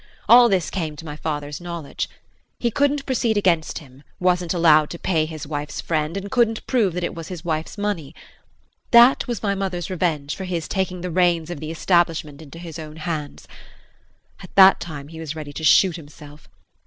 All this came to my father's knowledge. He couldn't proceed against him, wasn't allowed to pay his wife's friend, and couldn't prove that it was his wife's money. That was my mother's revenge for his taking the reins of the establishment into his own hands. At that time he was ready to shoot himself.